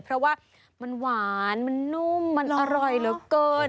เพราะว่ามันหวานมันนุ่มมันอร่อยเหลือเกิน